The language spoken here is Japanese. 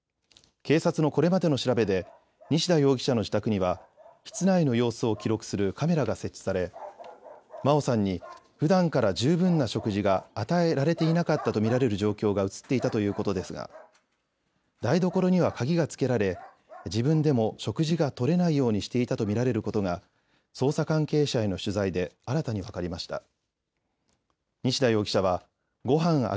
警察のこれまでの調べで西田容疑者の自宅には室内の様子を記録するカメラが設置され真愛さんにふだんから十分な食事が与えられていなかったと見られる状況が写っていたということですが台所には鍵がつけられ、自分でも食事がとれないようにしていたと見られることが捜査関係者への取材で新たに分かりました。